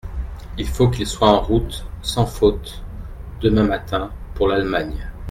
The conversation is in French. Il faut qu’il soit en route, sans faute, demain matin, pour l’Allemagne.